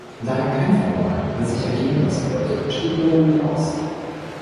Da er keine Vorwahlen über sich ergehen lassen wollte, stieg Lowery aus.